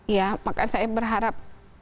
iya makanya saya berharap